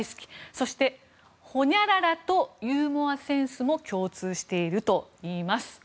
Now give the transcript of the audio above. そして、ほにゃららとユーモアセンスも共通しているといいます。